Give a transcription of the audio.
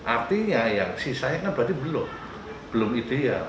artinya yang sisanya kan berarti belum ideal